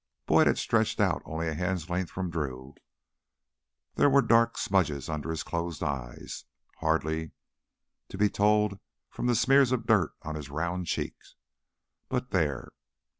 Boyd had stretched out only a hand's length from Drew. There were dark smudges under his closed eyes, hardly to be told from the smears of dirt on his round cheeks, but there.